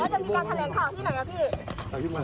ถึงแล้วจะมีคนแถลงข่าวที่ไหนครับพี่